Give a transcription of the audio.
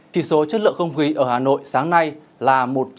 chỉ số chất lượng không khí ở hà nội sáng nay là một trăm năm mươi bốn